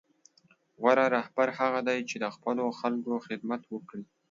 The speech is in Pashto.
غوره رهبر هغه دی چې د خپلو خلکو خدمت وکړي.